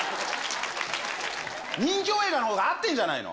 任きょう映画のほうが合ってんじゃないの？